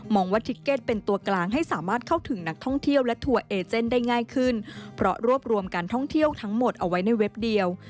ว่าทิเก็ตเป็นตัวกลางให้สามารถเข้าถึงนักท่องเที่ยวและทัวร์เอเจนได้ง่ายขึ้นเพราะรวบรวมการท่องเที่ยวทั้งหมดเอาไว้ในเว็บเดียว